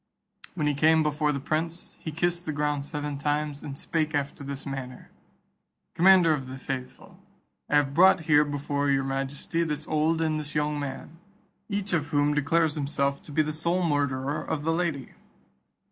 When he came before the prince, he kissed the ground seven times, and spake after this manner: "Commander of the faithful, I have brought here before your majesty this old and this young man, each of whom declares himself to be the sole murderer of the lady."